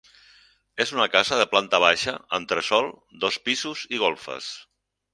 És una casa de planta baixa, entresòl, dos pisos i golfes.